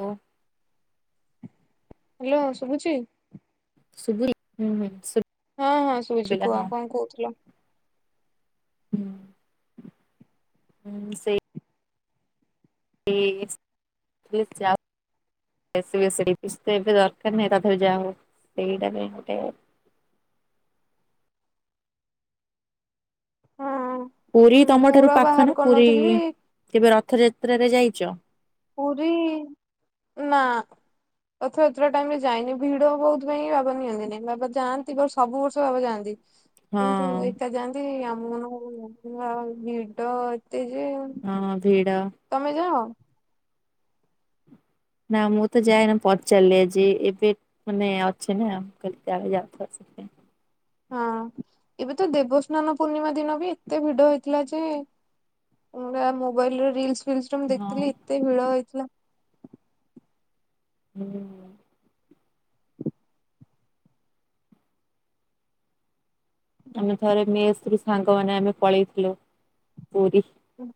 ଓ। Hello ଶୁଭୁଚି? ଶଭିଲା ହୁଁ ଶୁବ ହଁ ହଁ ଶୁଭୁଚି କୁହ କଣ କହୁଥିଲ? ହୁଁ ହୁଁ ସେଇ [unintelligible] [unintelligible] ଏବେ ଦରକାର ନାହିଁ ତା ଦେହେରେ ଜା ଯୋଉ ସେଇଟା ପାଇଁ ଗୋଟେ ହଁ ପୁରୀ ତମ ଠାରୁ ମୋର ପାଖ ବାହାର ନା ପୁରୀ କରିନଥିଲି କେବେ ରଥଯାତ୍ରାରେ ଯାଇଚ? ପୁରୀ ନା। ରଥଯାତ୍ରା ଟାଇମ୍ ରେ ଯାଇନି ଭିଡ ବହୁତ ପାଇଁ ବାବା ନିଅନ୍ତି ବାବା ଯାନ୍ତି ବର୍ଷ ସବୁ ବର୍ଷ ବାବା ଯାଆନ୍ତି। କିନ୍ତୁ ହଁ ଏକା ଯାଆନ୍ତି। ଆମ ମାନଙ୍କୁ ଭିଡ ଏତେ ଯେ ହଁ ଭିଡ଼। ତମେ ଯାଅ ନା ମୁଁ ତ ଯାଏନା ପଚାରିଲି ଆଜି ଏବେ। ମାନେ ଅଛେ ନା ମୁଁ କହିଲି କାଳେ ଯାଉଥିବ ସେ ହଁ ଏବେ ତ ଦେବସ୍ନାନ ପୂର୍ଣ୍ଣିମା ଦିନ ବି ଏତେ ଭିଡ ହେଇଥିଲା ଯେ। ମୁଁ ମୋବାଇଲ ରିଲ୍ସ ଫିଲ୍ସରେ ହଁ ମୁଁଦେଖିଥିଲି ଏତେ ଭିଡ ହେଇଥିଲା। ହୁଁ, ଆମେ ଥରେ ମେସ୍ ରୁ ସାଙ୍ଗମାନେ ଆମେ ପଳେଇଥିଲୁ ପୁରୀ, ହଁ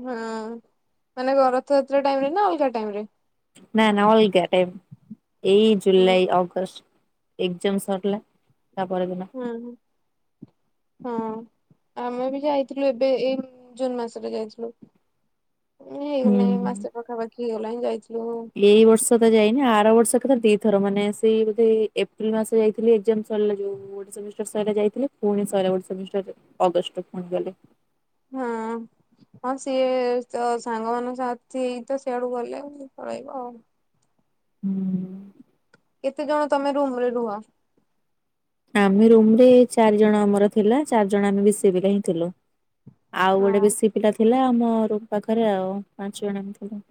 ମାନେ କଣ ରଥଯାତ୍ରା ଟାଇମ୍ ରେ ନା ଅଲଗା ଟାଇମ୍ ରେ, ନା ନା ଅଲଗା ଏଇ ଜୁଲାଇ ଅଗଷ୍ଟ, ଏକ୍ ଯାମ୍ ସରିଲା ତାପର ଦିନ ହଁ ହଁ, ଆମେ ବି ଯାଇଥିଲୁ ଏବେ ଏଇ ଜୁନ୍ ମାସରେ ଯାଇଥିଲୁ। ହୁଁ। ହେଇଗଲାଣି ମାସେ ପାଖାପାଖି ହେଇଗଲାଣିିଁ ଯାଇଥିଲୁ। ଏଇ ବର୍ଷ ତ ଯାଇନି ଆର ବର୍ଷ କଥର ଦିଥର ମାନେ ସେଇ ବୋଧେ ଏପ୍ରିଲ ମାସ ଯାଇଥିଲି ଏକ୍ଜାମ ସରିଲା ଯୋଉ ସେମିଷ୍ଟାର ସରିଲା ଯାଇଥିଲୁ ପୁଣି ସଇରାବର୍ଷ ସେମିଷ୍ଟାର୍ ରେ ଅଗଷ୍ଟ କୁ ପୁଣି ଗଲି [inaudible] ହଁ ସିଏ ତ ସାଙ୍ଗମାନଙ୍କ ସାଥି ହେଇ ତ ସିଆଡୁକୁ ଗଲେ ଆଉ ପଳେଇବ ଆଉ। ହୁଁ। କେତେ ଜଣ ତମେ ରୁମ୍ ରେ ରୁହ? ଆମେ ରୁମରେ ଚାରି ଜଣ ଆମର ଥିଲା ଚାରି ଜଣ ଆମେ ବିଶିଏ ପିଲା ହିଁ ଥିଲୁ। ଆଉ ଗୋଟେ ହଁ ବିଶୀଏ ପିଲା ଥିଲା ଆମ ରୁମ୍ ପାଖରେ ଆଉ ପାଞ୍ଚ ଜଣ ଆମେ ଥିଲୁ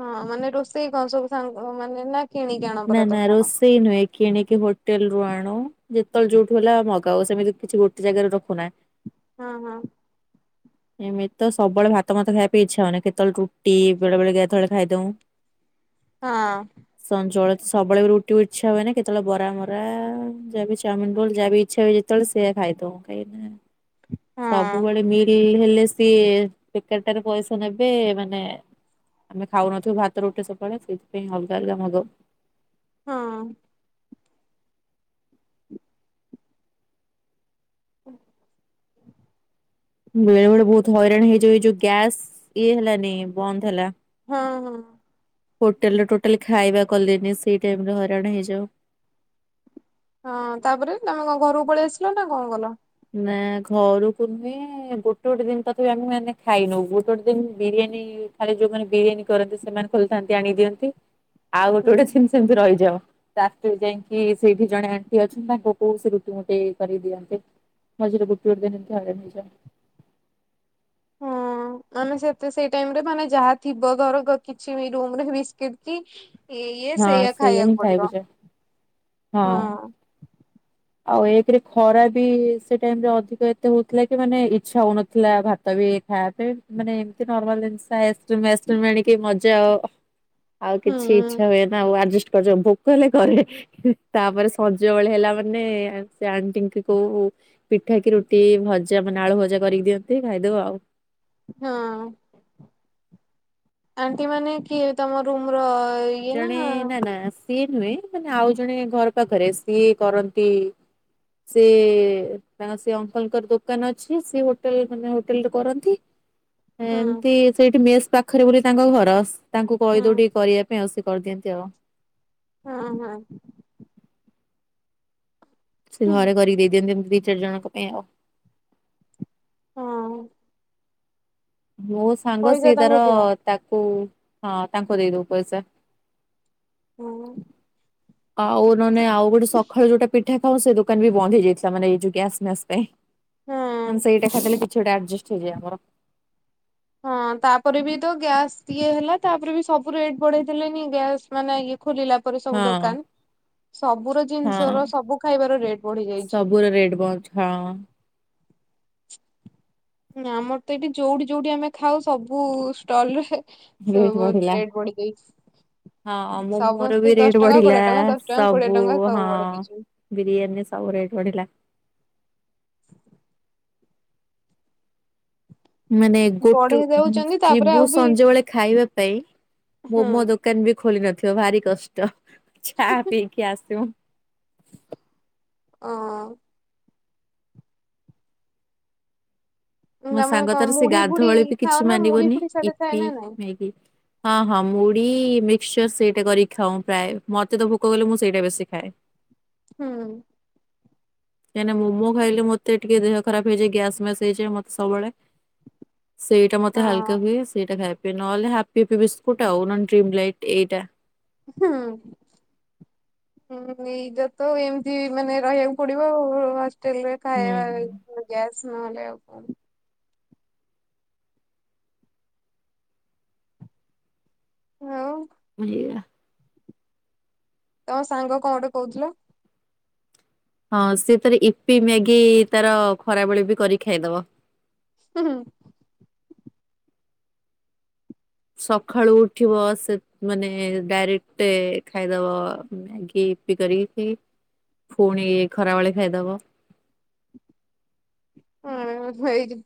ହଁ ମାନେ ରୋଷେଇ କ ଣସବୁ ସାଙ୍ଗ ମାନେ ନା କିଣିକି ଆଣ ନା ପରା ନା ତମେ କଣ? ରୋଷେଇ ନୁହେଁ। କିଣିକି ହୋଟେଲ ରୁ ଆଣୁ ଯେତେବେଳେ ଯୋଉଠୁ ହେଲା ମଗାଉ ସେମିତି କିଛି ଗୋଟେ ଜାଗାରୁ ରଖୁନା ହଁ ହଁ [inaudible] ଏମିତି ତ ସବୁବେଳେ ଭାତ ମାତ ଖାଇବା ପାଇଁ ଇଚ୍ଛା ହଉନି କେତେବେଳେ ରୁଟି ବେଳେ ବଳେ କେତେବେଳେ ଖାଇଦଉ, ହଁ, ଜଳେତ ସବୁବେଳେ ବି ରୁଟିିବ ଇଚ୍ଛା ହୁଏ ନା କେତେବେଳେ ବରା ମରା ଯା ବିି ଚାଉମିନ ରୋଲ ଯାହା ବି ଇଚ୍ଛା ହୁଏ। ଯେତେବେଳେ ସେଆ ଖାଇଦଉ କାହିଁକି ନା ହଁ ସବୁବେଳେ ମିଲ୍ ହେଲେ। ସିଏ ବେକାର୍ ଟାରେ ପଇସା ନେବେ ମାନେ। ଆମେ ଖାଉନଥିଲୁ ଭାତ ରୁଟି ସବୁବେଳେ ସେଥିପାଇଁ ଅଲଗା ଅଲଗା ମଗଉ ହଁ, [unintelligible] ବେଳେ ବେଳେ ବହୁତ ହଇରାଣ ହେଇଯାଉ ଏ ଯୋଉ ଗ୍ୟାସ ଇଏ ହେଲାନି ବନ୍ଦ ହେଲା। ହଁ ହୋଟେଲ୍ ରେ ଟୋଟାଲି ଖାଇବା କଲେନି ସେଇ ଟାଇମ୍ ରେ ହଇରାଣ ହେଇ ଯାଉ। ହଁ ତାପରେ ତମେ କଣ ଘରକୁ ପଳେଇ ଆସିଲ ନା କଣ କଲ? ନା ଘରକୁ ନୁହେଁ ଗୋଟେ ଗୋଟେ ଦିନ ତକ୍ ବି ଆମେ ମାନେ ଖାଇନୁ ଗୋଟେ ଗୋଟେ ଦିନ୍ ବିରିୟାନୀ ଖାଲି ଯୋଉମାନେ ବିରିୟାନୀ କରନ୍ତି ସେମାନେ ଖୋଲିଥାନ୍ତି ଆଣିକି ଦିଅନ୍ତି ଆଉ ଗୋଟେ ହୁଁ ଗୋଟେ ଦିନ୍ ସେମିତି ରହିଯାଉ ତାପରେ ଯାଇକି ସେଇଠି ଜଣେ ଆଣ୍ଟି ଅଛନ୍ତି ତାଙ୍କ କହୁ ସେ ରୁଟି ମୁଟି କରି କି ଦିଅନ୍ତି [unintelligible] ହଁ ହ ମାନେ ସେତ ସେଇ ଟାଇମରେ ମାନେ ଯାହା ଥିବ ଘରେ କିଛି ବି ରୁମରେ ବିସ୍କିଟ୍ କି ଇଏ ହଁ ସେଇଆ ହିଁ ଖାଇବାକୁ ଖାଇବୁ ପଡ଼ିବ। ଯା ହଁ ଆଉ ଏକରେ ଖରା ବି ସେ ଟାଇମରେ ଅଧିକ ଏତେ ହଉଥିଲା କି ମାନେ ଇଚ୍ଛା ହଉନଥିଲା ଭାତ ବି ହାପେ ମାନେ ଏମତି ନର୍ମାଲ ଜିନିଷ [unintelligible] ଆଉ କିଛି ହୁଁ ଇଚ୍ଛା ହୁଏ ନା ଆଉ ଆଡଜଷ୍ଟ କରିଜ ଭୋକ ହେଲେ କରେ। ତାପରେ ସଜବେଳେ ହେଲା ମାନେ ସେ ଆଣ୍ଟିଙ୍କୁ କୋଉ ପିଠା କିି ରୁଟି ଭଜା ମାନେ ଆଳୁ ଭଜା କରିକି ଦିଅନ୍ତି ଖାଇଦବ ଆଉ। ହଁ ଆଣ୍ଟି ମାନେ କିଏ? ତମ ରୁମ୍ ର ଇଏ ଜଣେ ନା। ନା ସିଏ ନୁହେଁ ମାନେ ଆଉ ଜଣେ ଘର ପାଖରେ ସିଏ କରନ୍ତି। ସେ ତାଙ୍କ ସେ ଅଙ୍କଲଙ୍କର ଦୋକାନ ଅଛି ସେ ହୋଟେଲ ମାନେ ହୋଟେଲରେ କରନ୍ତି। ହୁଁ ଏମତି ସେଇଠି ମେସ୍ ପାଖରେ ବୋଲି ତାଙ୍କ ଘର ତାଙ୍କୁ ହୁଁ କହିଦଉ ଟିକେ କରିବାକୁ। ସେ ଆସି କରିଦିଅନ୍ତି ଆଉ। ହଁ ହଁ ସେ ହଁ। ଘରେ କରି ଦେଇ ଦିଅନ୍ତି ଏମିତି ଦି ଚାରି ଜଣଙ୍କ ପାଇଁ ଆଉ। ହଁ ମୋ ସାଙ୍ଗ ପଇସା ସିଏ ତାଙ୍କୁ ତାର ଦିଅ ତାକୁ ହଁ ତାଙ୍କୁ ଦେଇଦବ ପଇସା। ହୁଁ ଆଉ ନହେନେ ଆଉ ଗୋଟେ ସକାଳୁ ଯୋଉଟା ପିଠା ଖାଉ ସେ ଦୋକାନ ବି ବନ୍ଦ ହେଇଯାଇଥିଲା ମାନେ ଏଇ ଯୋଉ ଗ୍ୟାସ୍ ମ୍ୟାସ୍ ପାଇଁ। ହୁଁ। ସେଇଟା ଖାଇଦଲେ କିଛି ଗୋଟେ ଆଡଜଷ୍ଟ୍ ହେଇଯାଏ ମୋର। ହଁ ତାପରେ ବି ତ ଗ୍ୟାସ୍ ଇଏ ହେଲା ତାପରେ ବି ସବୁ ରେଟ୍ ବଢେଇଥଦେଲେନି ଗ୍ୟାସ ମାନେ ଇଏ ଖୋଲିଲା ପରେ ସବୁ ହଁ ଦୋକାନ ସବୁର ହଁ। ଜିନିଷର ସବୁ ଖାଇବାର ରେଟ ବଢ଼ି ଯାଇଛି। ସବୁର ରେଟ୍ ବଢ ହଁ ଆମର ତ ଏଇଠି ଯୋଉଠି ଯୋଉଠି ଆମେ ଖାଉ ସବୁ ଷ୍ଟଲରେ ସବୁ ରେଟ୍ ବହୁତ ବଢିଲା। ରେଟ ବଢ଼ିଯାଇଛି। ହଁ ମୋ ମୋର ବି ରେଟ ଟଙ୍କା ବଢ଼ିଲା କୋଡିଏ ଟଙ୍କା ଦଶ ଟଙ୍କା କୋଡିଏ ସବୁ ଟଙ୍କା ହଁ ସବୁ ବଢେଇ ଦେଇଛନ୍ତି। ବିରିୟାନୀ ସବୁ ରେଟ୍ ବଢିଲା। ମାନେ ଗୋଟୁ ବଢେଇ ଦଉଛନ୍ତି ତାପରେ ଯିବୁ ଆଉ ବି ସଞ୍ଜବେଳେ ଖାଇବା ପାଇଁ ହୁଁ ମୋମୋ ଦୋକାନ ବି ଖୋଲି ନଥିବ ଭାରି କଷ୍ଟ ଚା ପିଇକି ଆସିବୁ। ଅଁ ମୋ ଆମେ ସାଙ୍ଗ କଣ ତାର ସେ ମୁଢି ଫୁଡି ଗାଧବେଳେ ବି ଖାଅ କିଛି ନା ମୁଢି ମାନିବନି ଫୁଡି ସିଆଡେ ଥାଏ ଇପି, ନା ନାଇଁ? ମ୍ୟାଗି ହଁ ହଁ ମୁଢ଼ି ମିକ୍ସଚର ସେଇଟା କରିକି ଖାଉଁ ପ୍ରାଏ ମତେ ତ ଭୋକ କଲେ ମୁଁ ସେଇଟା ବେଶୀ ଖାଏ। ହୁଁ କାଇଁ ନା ମୋମୋ ଖାଇଲେ ମତେ ଟିକେ ଦେହ ଖରାପ ହେଇଯାଏ ଗ୍ୟାସ୍ ମ୍ୟାସ୍ ହେଇଯାଏ ମତେ ସବୁବେଳେ। ସେଇଟା ମତେ ହାଲ୍କା ହଁ ହୁଏ। ସେଇଟା ନ ହେଲେ ହାପି ବିସ୍କୁଟ ଆଉ ଡ୍ରିମଲାଇଟ ଏଇଟା ହୁଁ ହୁଁ ଏଇଟ ତ ଏମିତି ମାନେ ରହିବାକୁ ପଡିବ ଆଉ ହଷ୍ଟେଲ୍ ରେ। ହୁଁ ଖାଇବା ଗ୍ୟାସ ନ ହେଲେ ଆଉ। ଆଉ ଏଇଆ ତମ ସାଙ୍ଗ କଣ ଗୋଟେ କହୁଥିଲ? ହଁ ସିଏ ତାର ଇପି, ମ୍ୟାଗୀ ତାର ଖରାବେଳେ ବି କରି ଖାଇଦବ। ହୁଁ ହୁଁ। ସଖାଳୁ ଉଠିବ ସେ ମାନେ ଡାଇରେକ୍ଟ ଖାଇଦବ ମ୍ୟାଗି ଇପି କରି। ପି ଫୁଣି ଏଇ ଖରାବେଳେ ଖାଇଦବ। ହଁ ହେଇଚି।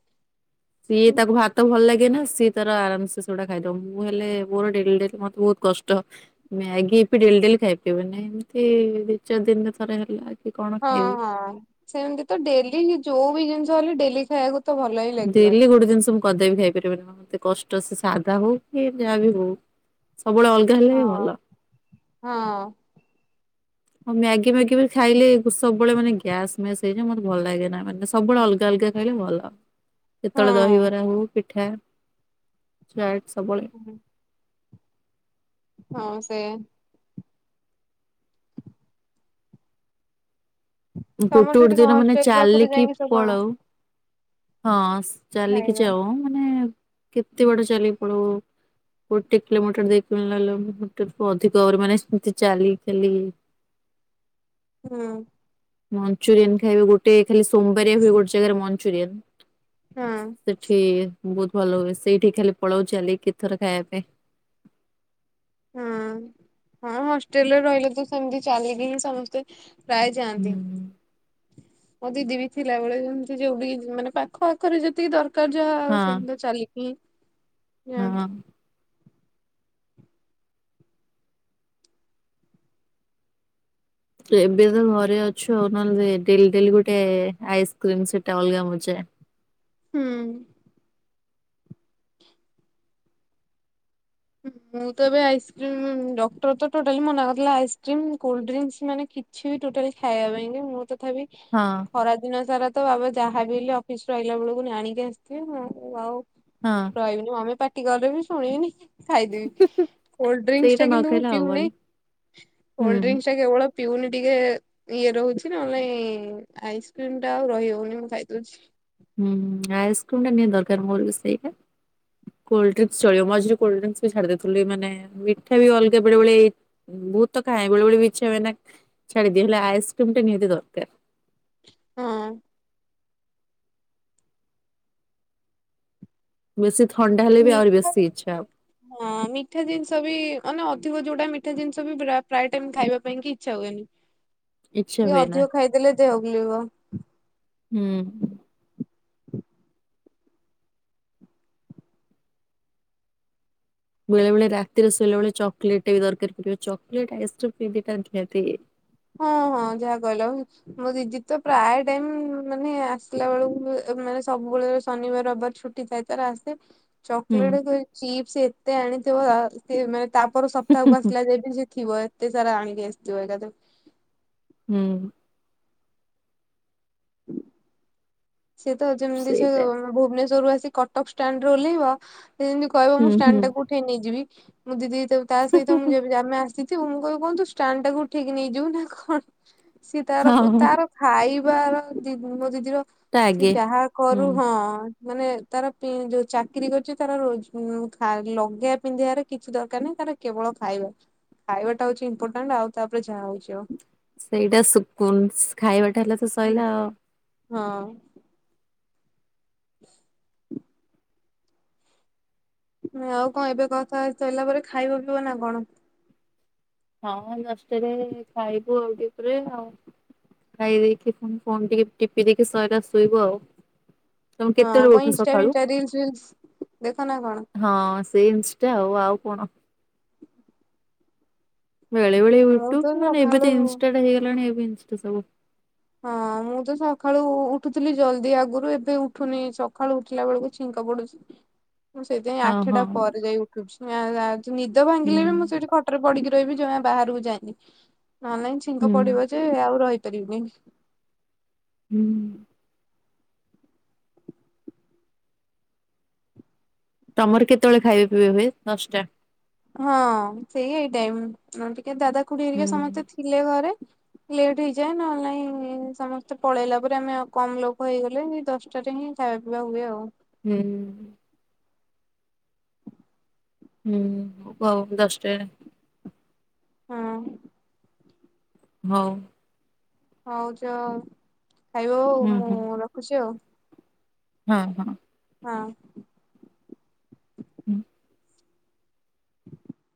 ସିଏ ତାକୁ ଭାତ ଭଲ ଲାଗେନା ସିଏ ତାର ଆରାମ୍ ସେ ସେଗୁଡ଼ା ଖାଇଦବ, ମୁଁ ହେଲେ ମୋର ଡେଲି ଡେଲି ମତେ ବହୁତ କଷ୍ଟ। ମ୍ୟାଗି ଇପି ଡେଲି ଡେଲି ଖାଇ ପାରିବିନି ଏମିତି ଦି ଚାରି ଦିନ ଥରେ ହେଲା କି କଣ ହଁ ଖାଇବି। ହଁ ସେମିତି ତ ଡେଲି ଯୋଉ ବି ଜିନିଷ ହେଲେ ଡେଲି ଖାଇବାକୁ ତ ଭଲ ହିଁ ଡେଲି ଲାଗିବନି। ଗୋଟେ ଜିନିଷ କଦାବି ଖାଇପାରିବନି [unintelligible] ମତେ କଷ୍ଟ ସେ ସାଧା ହଉ କି ଯହାବି ହଉ ସବୁବେଳେ ଅଲଗା ତାହେଲେ ହଁ ଭଲ। ହଁ। ହଁ ମ୍ୟାଗି ମ୍ୟାଗିବି ଖାଇଲେ ସବୁବେଳେ ମାନେ ଗ୍ୟାସ୍ ମ୍ୟାସ୍ ହେଇଯାଏ ମତେ ଭଲ ଲାଗେନା ମାନେ ସବୁବେଳେ ଅଲଗା ଅଲଗା ଖାଇଲେ ଭଲ, କେତଳେ ଦହିବରା ହଉ, ପିଠା, ଚାଟ୍, ସବୁବେଳେ [inaudible] ହଁ ସେ। ଗୋଟେ ତମର ସେଠି ଗୋଟେ କଣ ଦିନ ମାନେ ହଷ୍ଟେଲ ପାଖରୁ ଚାଲିକି ଯାଇକି ସବୁ ଆଣ ପଳଉ। ହଁ ଚାଲିକି ଖାଇବା? ଯାଉ ମାନେ କେତେ ବାଟ ଚାଲିକି ପଳଉ। ଗୋଟେ କିଲୋମିଟର ଦେଇକି [unintelligible] ଅଧିକ ଆହୁରି ମାନେ ସେମିତି ଚାଲି ଚାଲି [inaudible] ହୁଁ। ମଞ୍ଚୁରିଆନ୍ ଖାଇବେ ଗୋଟେ ଖାଲି ସୋମବାରିଆ ହୁଏ ଗୋଟେ ଜାଗାରେ ମଞ୍ଚୁରିଆନ୍। ହଁ। ସେଠି ବହୁତ ଭଲ ହୁଏ, ସେଇଠି ଖାଲି ପଳଉ ଚାଲି କେତେଥର ଖାଇବା ପାଇଁ। ହଁ, ହଁ ହଷ୍ଟେଲରେ ରହିଲେ ତ ସେମିତି ଚାଲିକି ହିଁ ସମସ୍ତେ ପ୍ରାୟ ହୁଁ, ଯାଆନ୍ତି। ମୋ ଦିଦି ବି ଥିଲାବେଳେ ଯେମିତି ଯୋଉଠିକି ମାନେ ପାଖ ଆଖରେ ଯେତିକି ଦର କାର ଯାହା ଆଉ ସେମିତି ତ ଚାଲିକି ହଁ, ଯାଆନ୍ତି। ହଁ। ଏବେ ତ ଘରେ ଅଛୁ ଆଉ ନହେଲେ ଡେଲି ଡେଲି ଗୋଟେ ଆଇସ୍କ୍ରିମ୍ ସେଟା ଅଲଗା ମଜା। ହୁଁ। ମୁଁ ତ ଏବେ ଆଇସ୍କ୍ରିମ୍ ଡକ୍ଟର ତ ଟୋଟାଲି ମନା କରିଥିଲା ଆଇସ୍କ୍ରିମ୍ କୋଲ୍ଡଡ୍ରିଙ୍କ୍ସ୍ ମାନେ କି କିଛି ବି ଟୋଟାଲି ଖାଇବା ପାଇଁକି ମୁଁ ତଥାବି ହଁ। ଖରାଦିନ ସାରା ତ ବାବା ଯାହାବି ହେଲେ ଅଫିସରୁ ଆଇଲା ବେଳକୁ ଆଣିକି ଆସିଥିବେ ମୁଁ ଆଉ ହଁ। ରହିବିନି ମମି ପାଟିକଲେ ବି ଶୁଣିବିନି। ଖାଇଦେବି, ସେଇଟା କୋଲ୍ଡଡ୍ରିଙ୍କ୍ସଟା ନ କିନ୍ତୁ ମୁ ଖାଇଲେ ହବନି ପିଉନେଇ, ହୁଁ କୋଲ୍ଡଡ୍ରିଙ୍କ୍ସଟା କେବଳ ପିଉନି ଟିକେ। ଇଏ ରହୁଛି ନହଲେ ନାଇଁ ଆଇସ୍କ୍ରିମଟା ଆଉ ରହି ହଉନି ମୁଁ ଖାଇଦଉଛି। ହୁଁ ଆଇସ୍କ୍ରିମଟା ନିହାତି ଦରକାର ମୋର ବି ସେଇଟା। କୋଲଡ୍ରିଙ୍କ୍ସ ଚଳିବ ମଝିରେ କୋଲଡ୍ରଙ୍କ୍ସବି ଛାଡି ଦଉଥିଲି ମାନେ ମିଠା ବି ଅଲଗା ବେଳେବେଳେ ବହୁତ ତ ଖାଏ ବେଳେବେଳେ ବି ଇଚ୍ଛା ହୁଏନା ଛାଡିଦିଏ, ହେଲେ ଆଇସ୍କ୍ରିମଟା ନିହାତି ଦରକାର। ହଁ। ବେଶୀ ଥଣ୍ଡା ହେଲେ ବି ଆହୁରି ମିଠା ବେଶୀ ଜିନିଷ ଇଚ୍ଛା ଆଉ। ହଁ ମିଠା ଜିନିଷବି ମାନେ ଅଧିକ ଯୋଉଟା ମିଠା ଜିନିଷବି ପ୍ରା ପ୍ରାୟ ଟାଇମ୍ ଖାଇବା ପାଇଁକି ଇଚ୍ଛା ହୁଏନି। ହ। ଟିକେ ଅଧିକ ଖାଇଦେଲେ ଦେହ ବୁଲେଇବ। ହୁଁ। ବେଳେ ବେଳେ ରାତିରେ ଶୋଇଲା ବେଳେ ଚକୋଲେଟେ ବି ଦରକାରପଡିବ, ଚକୋଲେଟ୍ ଆଇସ୍କ୍ରିମ୍। [inaudible] ହଁ ହଁ ଯାହା କହିଲ। ମୋ ଦିଦି ତ ପ୍ରାୟ ଟାଇମ୍ ମାନେ ଆସିଲା ବେଳକୁ ଏ ମାନେ ସବୁବେଳେ ଯୋଉ ଶନିବାର ରବାର ଛୁଟ୍ ସେ ତାର ଆସେ ହୁଁ ଚକୋଲେଟକୁ ଏ ଚିପ୍ସ୍ ଏତେ ଆଣିଥିବ ଆଁ ସେ ମାନେ ତାପର ସପ୍ତାହକୁ ଆସିଲା ଯାଏ ବି ସେ ଥିବ ଏତେ ସାରା ଆଣିକି ଆସିଥିବ ଏକାଥରେ। ହୁଁ। ହୁଁ। ସିଏ ତ ଯେମିତି ସେ ସେଇଟା ଭୁବନେଶ୍ୱରୁ ଆସି କଟକ ଷ୍ଟାଣ୍ଡରେ ଓଲ୍ହେଇବ ସି ଯେମତି କହିବ ହୁଁ ମୁଁ ଷ୍ଟାଣ୍ଡ ହୁଁ ଟାକୁ ଉଠେଇ ନେଇଯିବି। ମୁଁ ଦିଦି ତାକୁ ତା ସହିତ ମୁଁ [inaudible] ଯଦି ଆମେ ଆସିଥିବୁ ମୁଁ କହିବି କଣ୍ ତୁ ଷ୍ଟାଣ୍ଡ ଟାକୁ ଉଠେଇକ ନେଇଯିବୁ ନା କଣ। ସିଏ ତାର ହଁ ତାର ଖାଇବାର ଦି ମୋ ଦିଦିର ତା ସେ ଆଗେ ଯାହା କରୁ ହୁଁ। ହଁ ମାନେ ତାର ପି ଯୋଉ ଚାକିରି କରିଚି ତାର ରୋଜ ଖା ଲଗେଇବା ପିନ୍ଧିବାରେ କିଛି ଦରକାର ନାହିଁ ତାର କେବଳ ଖାଇବା, ଖାଇବାଟା ହଉଚି ଇମ୍ପୋର୍ଟାଣ୍ଟ ଆଉ ତାପରେ ଯାହା ହଉଚି ହଉ। ସେଇଟା ଶକୁନସ୍ ଖାଇବାଟା ହେଲେ ତ ହଉ। ସଇଲା ଆଉ। ହଁ। ମ୍ ଆଉ କଣ ଏବେ କଥା ହେଇ ସାଇଲା ପରେ ଖାଇବ ପିଇବ ନା କଣ? ହଁ ଜଷ୍ଟ୍ ଏବେ ଖାଇବୁ ଆଉ ଟିକେ ପରେ ଆଉ। ଖାଇ ଦେଇକି ଫୁଣି ଫୋନ୍ ଟିକେ ଟିପି ଦେଇକି ସଇଲା ଶୋଇବୁ ଆଉ। ତମେ ହଁ କେତେବେଳେ କଁ ଉଠ ଇନଷ୍ଟା ସକାଳୁ? ଫିନଷ୍ଟା ରିଲ୍ସ୍ ଫିଲ୍ସ୍ ଦେଖ ନା କଣ? ହଁ ସେଇ ଇନଷ୍ଟା ଆଉ ଆଉ କଣ? ବେଳେବେଳେ ମୁଁ ତ ୟୁଟ୍ୟୁବୁ ନହେଲେ ଏବେ ସକାଳୁ ତ ହଁ ଇନଷ୍ଟାଟା ହେଇଗଲାଣି ଏବେ ଇନଷ୍ଟା ସବୁ। ହଁ ମୁଁ ତ ସଖାଳୁ ଉ-ଉଠୁଥିଲି ଜଲ୍ଦି ଆଗୁରୁ ଏବେ ଉଠୁନି ସଖାଳୁ ଉଠିଲା ବେଳୁକୁ ଛିଙ୍କ ପଡୁଚି। ମୁଁ ସେଇଥିପାଇଁ ହଁ ଆଠେଟା ହଁ ପରେ ଯାଇ ଉଠୁଚି। ଆଁ ଆଜ୍ ନିଦ ହୁଁ ଭାଙ୍ଗିଲେ ବି ମୁଁ ସେଠି ଖ ଖଟରେ ପଡିକି ରହିବି ଜମା ବାହାରକୁ ଯାଏନି। ନହେଲେ ନାଇଁ ହୁଁ ଛିଙ୍କ ପଡିବ ଯେ ଆଉ ରହିପାରିବିନି। ହୁଁ। ତମର କେତେବେଳେ ଖାଇବା ପିଇବା ହୁଏ ଦଶଟା। ହଁ ସେଇ ଏଇ ଟାଇମ୍ ନହେନେ ଟିକେ ଦାଦା ଖୁଡି ହୁଁ ହେରିକା ସମସ୍ତେ ଥିଲେ ଘରେ ଲେଟ୍ ହେଇଯାଏ ନହେଲେ ନାଇଁ ସମସ୍ତେ ପଳେଇଲା ପରେ ଆମେ ଆଉ କମ୍ ଲୋକ ହେଇଗଲେ ହେଇ ଦଶଟାରେ ହିଁ ଖାଇବା ପିଇବା ହୁଏ ଆଉ। ହୁଁ ହୁଁ ଭୋକ ହବ ଦଶଟା ହଁ। ହଉ ହଉ ଯାଅ ଖାଇବ ଆଉ ହୁଁ ହୁଁ ମୁଁ ରଖୁଚି ଆଉ। ହଁ ହଁ। ହଁ। ହୁଁ।